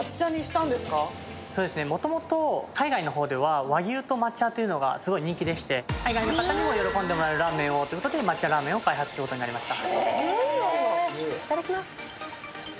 もともと海外の方では和牛と抹茶がすごい人気でして、海外の方にも喜んでもらえるラーメンをということで抹茶らぁ麺を開発しました。